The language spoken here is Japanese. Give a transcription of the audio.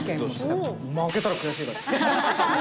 負けたら悔しいからです。